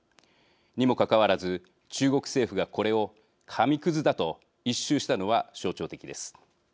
にもかかわらず、中国政府がこれを紙くずだと一蹴したのは象徴的です。